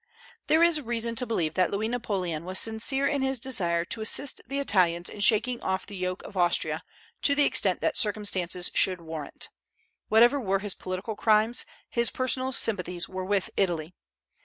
There is reason to believe that Louis Napoleon was sincere in his desire to assist the Italians in shaking off the yoke of Austria, to the extent that circumstances should warrant. Whatever were his political crimes, his personal sympathies were with Italy.